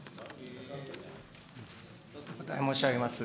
お答え申し上げます。